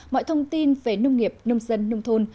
mọi thông tin về nông nghiệp nông dân nông thôn